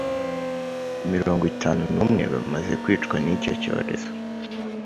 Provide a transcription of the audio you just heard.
mirongo itanu numwe bamaze kwicwa n’icyo cyorezo.